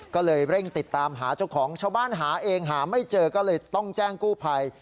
ก็เลยเร่งติดตามหาเจ้าของชาวบ้านหาเองหาไม่เจอก็เลยต้องแจ้งกู้ภัย